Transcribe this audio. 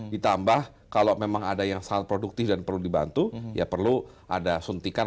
ditambah kalau memang ada yang sangat produktif dan perlu dibantu ya perlu ada suntikan